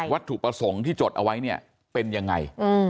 ถูกประสงค์ที่จดเอาไว้เนี่ยเป็นยังไง